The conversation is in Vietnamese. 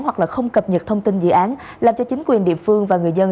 hoặc là không cập nhật thông tin dự án làm cho chính quyền địa phương và người dân